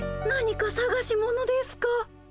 何かさがし物ですか？